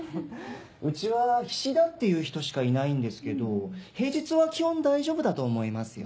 うちは菱田っていう人しかいないんですけど平日は基本大丈夫だと思いますよ。